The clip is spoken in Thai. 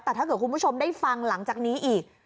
แต่ถ้าเกิดคุณผู้ชมได้ฟังหลังจากนี้อีก